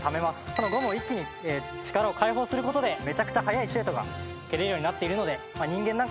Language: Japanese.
そのゴムを一気に力を解放することでめちゃくちゃ速いシュートが蹴れるようになっているので。